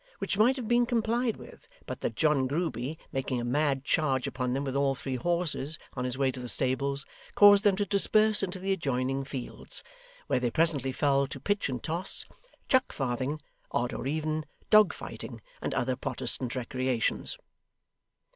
which might have been complied with, but that John Grueby, making a mad charge upon them with all three horses, on his way to the stables, caused them to disperse into the adjoining fields, where they presently fell to pitch and toss, chuck farthing, odd or even, dog fighting, and other Protestant recreations.